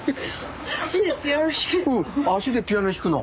足でピアノ弾けるの？